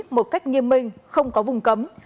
một cách nghiêm minh không có vùng cấm